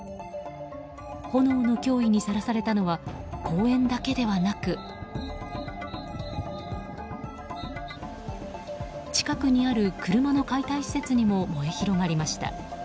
炎の脅威にさらされたのは公園だけではなく近くにある車の解体施設にも燃え広がりました。